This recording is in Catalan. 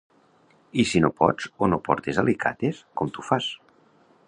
I si no pots o no portes alicates com t'ho fas?